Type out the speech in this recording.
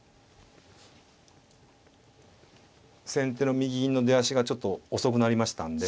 先手の右の出足がちょっと遅くなりましたんで。